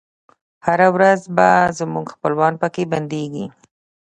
هره ورځ به زموږ خپلوان پکښي بندیږی